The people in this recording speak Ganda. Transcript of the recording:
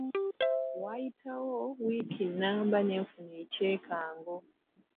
Waayitawo wiiki nnamba ne nfuna ekyekango.